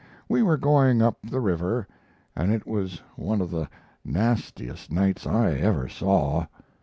We were going up the river, and it was one of the nastiest nights I ever saw.